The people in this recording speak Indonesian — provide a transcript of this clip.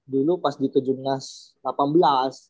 dulu pas di kejumlah